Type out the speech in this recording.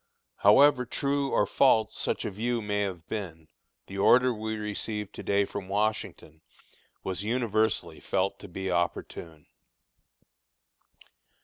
However true or false such a view may have been, the order we received to day from Washington was universally felt to be opportune.